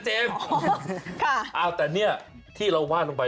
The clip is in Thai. แต่ว่าดไปถึงเราชอบหรือไง